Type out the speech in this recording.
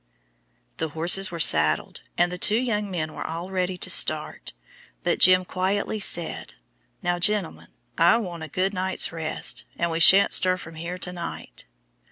The horses were saddled, and the young men were all ready to start, but "Jim" quietly said, "Now, gentlemen, I want a good night's rest, and we shan't stir from here to night."